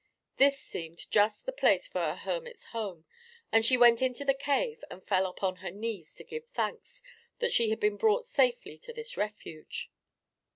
This seemed just the place for a hermit's home, and she went into the cave and fell upon her knees to give thanks that she had been brought safely to this refuge.